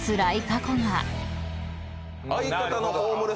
相方の。